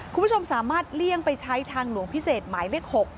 คุณผู้ชมสามารถเลี่ยงไปใช้ทางหลวงพิเศษหมายเลข๖